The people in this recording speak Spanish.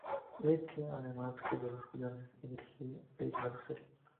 Mirkin, además, escribió los guiones y dirigió la serie.